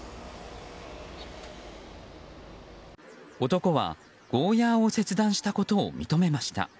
男はゴーヤーを切断したことを認めました。